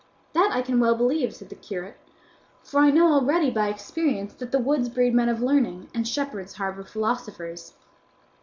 "That I can well believe," said the curate, "for I know already by experience that the woods breed men of learning, and shepherds' harbour philosophers."